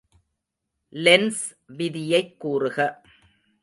Lens விதியைக் கூறுக.